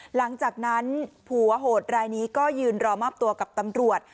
หลังจากนั้นผัวโหดรายนี้ก็ยืนรอมอบตัวกับตำรวจ